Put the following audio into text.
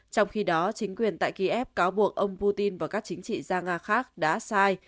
trong khi đó chính quyền tại kiev cáo buộc ông putin và các chính trị gia nga khác đã sai